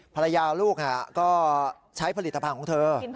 ลูกก็ใช้ผลิตภัณฑ์ของเธอ